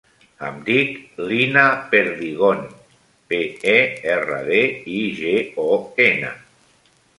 Em dic Lina Perdigon: pe, e, erra, de, i, ge, o, ena.